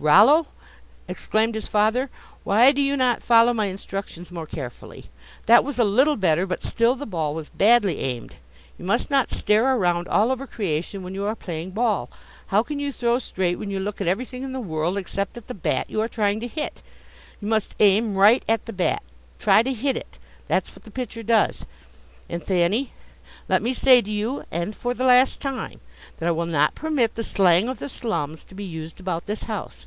"Rollo!" exclaimed his father, "why do you not follow my instructions more carefully? That was a little better, but still the ball was badly aimed. You must not stare around all over creation when you are playing ball. How can you throw straight when you look at everything in the world except at the bat you are trying to hit? You must aim right at the bat try to hit it that's what the pitcher does. And Thanny, let me say to you, and for the last time, that I will not permit the slang of the slums to be used about this house.